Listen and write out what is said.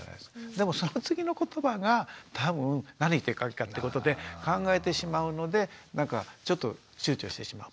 でもその次の言葉が多分何言っていいかってことで考えてしまうのでなんかちょっとちゅうちょしてしまう。